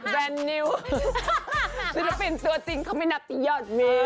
แบรนด์นิวศิลปินต์ตัวจริงเขาไม่นับยอดมี